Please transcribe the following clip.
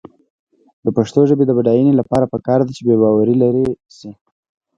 د پښتو ژبې د بډاینې لپاره پکار ده چې بېباوري لرې شي.